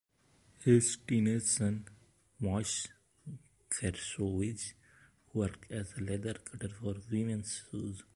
His teenage son, Moishe Gershowitz, worked as a leather cutter for women's shoes.